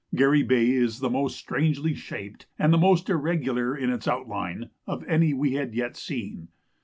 Garry Bay is the most strangely shaped, and the most irregular in its outline, of any we had yet seen.